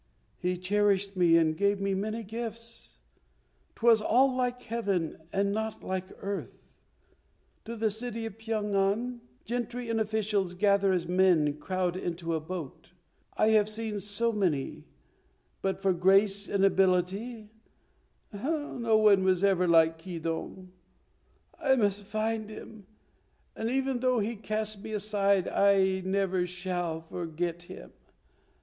He cherished me and gave me many gifts. 'Twas all like heaven and not like earth. To the city of Pyong an gentry and officials gather as men crowd into a boat; I have seen so many, but for grace and ability no one was ever like Keydong. I must find him, and even though he casts me aside I never shall forget him.